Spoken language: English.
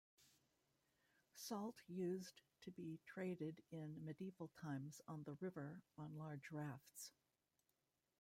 Salt used to be traded in medieval times on the river on large rafts.